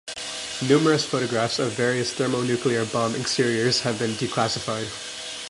Numerous photographs of various thermonuclear bomb exteriors have been declassified.